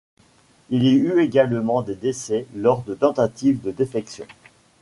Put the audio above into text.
Il y eu également des décès lors de tentatives de défections.